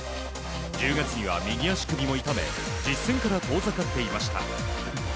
１０月には右足首を痛め実戦から遠ざかっていました。